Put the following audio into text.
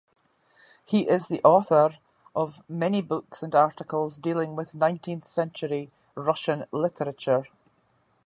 He is the author of many books and articles dealing with nineteenth-century Russian literature.